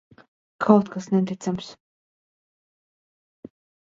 Kaut kas neticams!